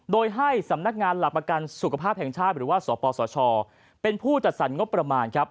โดยให้สำนักงานหลักประกันสุขภาพแห่งชาติหรือว่าสปสชเป็นผู้จัดสรรงบประมาณครับ